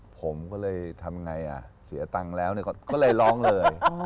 ผมก็เลยทำยังไงอะเสียตังแล้วเนี่ยก็เลยร้องเลย